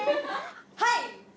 はい！